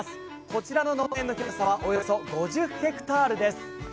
こちらの農園の広さはおよそ５０ｈａです。